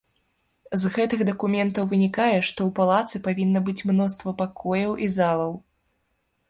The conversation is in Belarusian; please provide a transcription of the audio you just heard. З гэтых дакументаў вынікае, што ў палацы павінна быць мноства пакояў і залаў.